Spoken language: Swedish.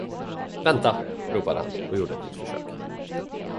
Vänta! ropade han och gjorde ett nytt försök.